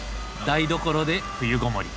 台所で冬ごもり。